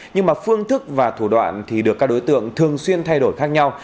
nhưng mà phương thức và thủ đoạn thì được các đối tượng thường xuyên thay đổi khác nhau